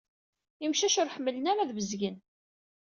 Imcac ur ḥemmlen ara ad bezgen.